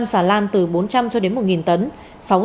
năm xà lan từ bốn trăm linh cho đến một tấn